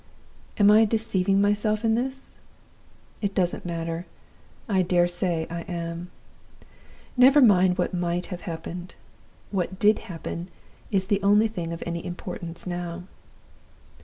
"Am I deceiving myself in this? It doesn't matter I dare say I am. Never mind what might have happened. What did happen is the only thing of any importance now.